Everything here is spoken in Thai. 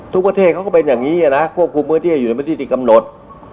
ทุกประเทศเขาก็เป็นอย่างนี้นะควบคุมพื้นที่อยู่ในพื้นที่ที่กำหนด